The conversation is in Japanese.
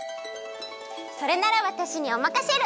それならわたしにおまかシェル！